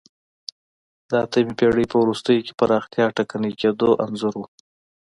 د اتمې پېړۍ په وروستیو کې پراختیا ټکنۍ کېدو انځور و